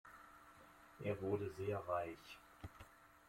Er wurde sehr reich.